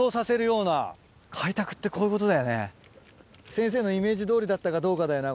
先生のイメージどおりだったかどうかだよな